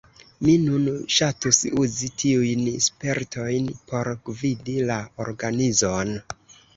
Mi nun ŝatus uzi tiujn spertojn por gvidi la organizon.